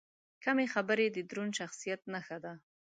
کمې خبرې، د دروند شخصیت نښه ده.